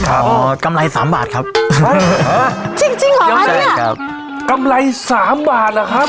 ครับกำไรสามบาทครับจริงจริงเหรอยอมใจครับกำไรสามบาทเหรอครับ